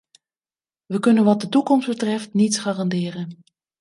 We kunnen wat de toekomst betreft niets garanderen.